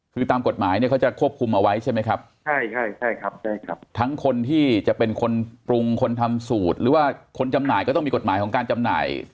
คือตามกฎหมายเนี่ยเขาจะควบคุมเอาไว้ใช่ไหมครับใช่ใช่ครับใช่ครับทั้งคนที่จะเป็นคนปรุงคนทำสูตรหรือว่าคนจำหน่ายก็ต้องมีกฎหมายของการจำหน่าย